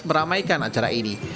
meramaikan acara ini